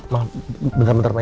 maaf bentar bentar pak ya